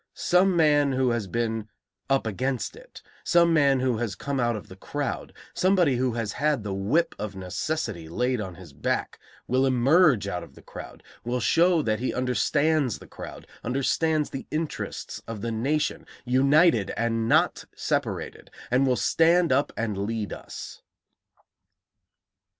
Some man who has been 'up against it,' some man who has come out of the crowd, somebody who has had the whip of necessity laid on his back, will emerge out of the crowd, will show that he understands the crowd, understands the interests of the nation, united and not separated, and will stand up and lead us."